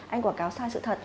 anh quảng cáo sai sự thật